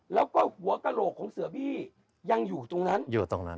แล้วก็หัวกระโหลกของเสือบี้ยังอยู่ตรงนั้นอยู่ตรงนั้น